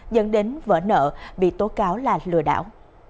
dẫn đến vỡ nợ bị tố cáo là lừa đảo